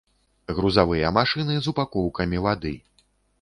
Грузавыя машыны з упакоўкамі вады.